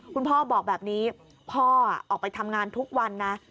พ่อบอกแบบนี้พ่อออกไปทำงานทุกวันนะ